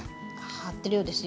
張ってるようですよ。